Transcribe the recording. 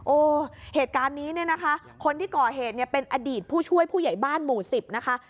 โอ้เหตุการณ์นี้เนี่ยนะคะคนที่ก่อเหตุเนี่ยเป็นอดีตผู้ช่วยผู้ใหญ่บ้านหมู่สิบนะคะ